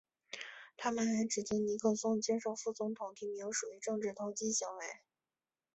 他们还指责尼克松接受副总统提名属于政治投机行为。